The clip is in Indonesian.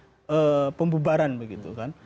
proses pembubaran begitu kan